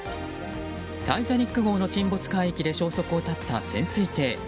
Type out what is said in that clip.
「タイタニック」号の沈没海域で消息を絶った潜水艇。